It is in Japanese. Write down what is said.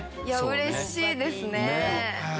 うれしいです。